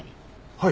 はい。